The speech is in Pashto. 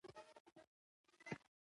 موټر سره مو ژوند اسانه شوی دی.